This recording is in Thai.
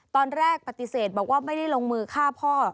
ตอนแรกปฏิเสธบอกว่าไม่ได้ลงมือฆ่าพ่อ